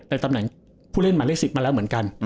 ตำแหน่งผู้เล่นหมายเลข๑๐มาแล้วเหมือนกัน